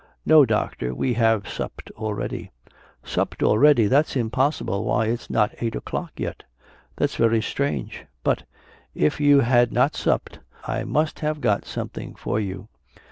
"No, Doctor, we have supped already." "Supped already, that's impossible! why it is not eight o'clock yet. That's very strange! But, if you had not supped, I must have got something for you.